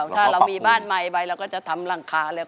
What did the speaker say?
ถ้าเรามีบ้านใหม่ไปเราก็จะทำหลังคาเลย